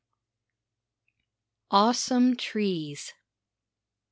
AWESOME TREES.